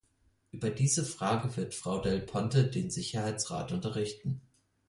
Über diese Frage wird Frau del Ponte den Sicherheitsrat unterrichten.